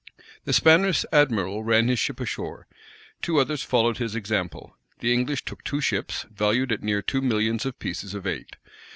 The Spanish admiral ran his ship ashore: two others followed his example: the English took two ships, valued at near two millions of pieces of eight.